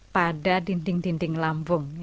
pada dinding dinding lambung